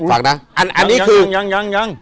ฟังนะยัง